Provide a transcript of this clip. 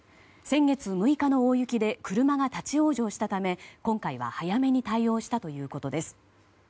先月６日の大雪で車が立ち往生したため今回は早めに対応したということです。